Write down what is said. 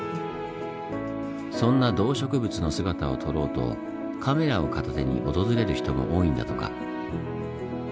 そんな動植物の姿を撮ろうとカメラを片手に訪れる人も多いんだとか。